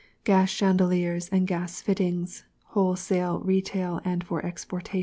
GAS CHENDELIERS AND GAS FITTINGS, WHOLESALE, RETAIL, AND FOR EXPORTATION.